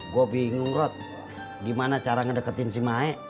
gua bingung rod gimana cara ngedeketin si maek